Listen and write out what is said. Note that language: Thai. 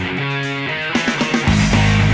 กลับมาที่นี่